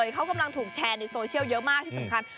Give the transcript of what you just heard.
เขากำลังถูกแชร์ในโซเชียลเยอะมากที่สำคัญ